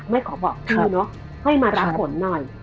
ไม่ขอบอกชื่อเนอะให้มารับฝนหน่อย